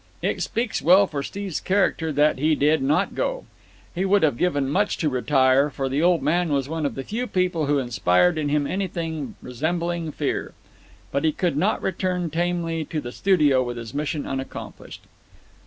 It speaks well for Steve's character that he did not go. He would have given much to retire, for the old man was one of the few people who inspired in him anything resembling fear. But he could not return tamely to the studio with his mission unaccomplished.